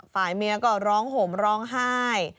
ฝ่ายเมียก็ร้องห่มร้องไห้